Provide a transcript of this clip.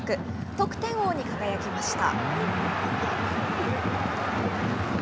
得点王に輝きました。